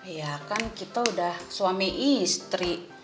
ya kan kita sudah suami istri